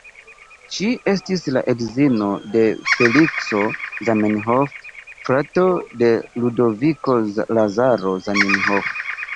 Ŝi estis la edzino de Felikso Zamenhof, frato de Ludoviko Lazaro Zamenhof.